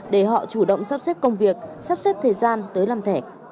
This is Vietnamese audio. để họ chủ động sắp xếp công việc sắp xếp thời gian tới làm thẻ